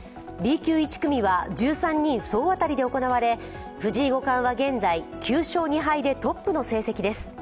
Ｂ級１組は１３人総当たりで行われ藤井五冠は現在、９勝２敗でトップの成績です。